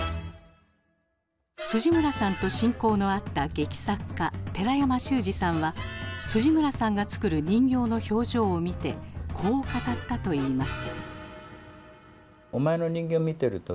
村さんと親交のあった劇作家寺山修司さんは村さんが作る人形の表情を見てこう語ったといいます。